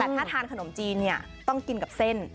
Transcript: แต่ถ้าทานขนมจีนเนี่ยต้องกินกับเส้น